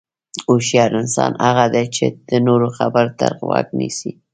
هوښیار انسان هغه دی چې د نورو خبرو ته غوږ نیسي.